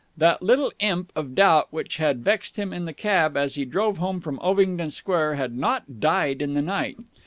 That little imp of doubt which had vexed him in the cab as he drove home from Ovingdon Square had not died in the night.